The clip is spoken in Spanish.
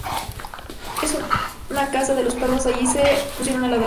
En una casa los perros de allí se pusieron a ladrar.